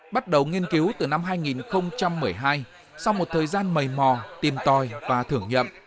bắt đầu nghiên cứu từ năm hai nghìn một mươi hai sau một thời gian mầy mò tìm tòi và thử nghiệm